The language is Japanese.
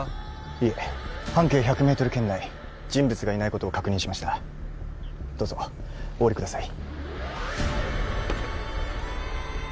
いえ半径１００メートル圏内人物がいないことを確認しましたどうぞお降りください